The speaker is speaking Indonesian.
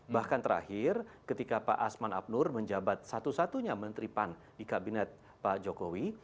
bahkan terakhir ketika pak asman abnur menjabat satu satunya menteri pan di kabinet pak jokowi